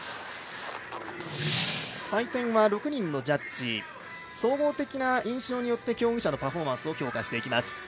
採点は６人のジャッジ総合的な印象によって競技者のパフォーマンスを評価します。